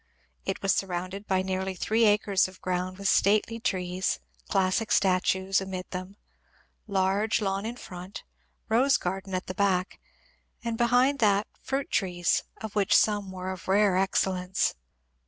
It was surrounded by nearly three acres of ground with stately trees, classic statues amid tliem — large lawn in front, rose garden at the back, and behind that fruit trees, of which some were of rare excellence.